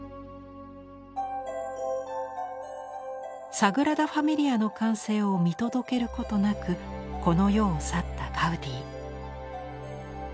サグラダ・ファミリアの完成を見届けることなくこの世を去ったガウディ。